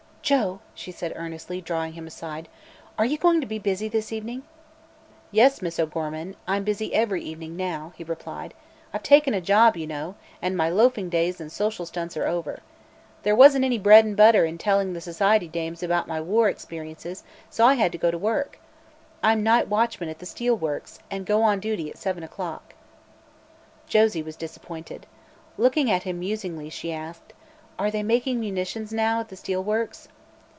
"Joe," she said earnestly, drawing him aside, "are you going to be busy this evening?" "Yes, Miss O'Gorman, I'm busy every evening now," he replied. "I've taken a job, you know, and my loafing days and social stunts are over. There wasn't any bread an' butter in telling the society dames about my war experiences, so I had to go to work. I'm night watchman at the steel works, and go on duty at seven o'clock." Josie was disappointed. Looking at him musingly, she asked: "Are they making munitions now, at the steel works?"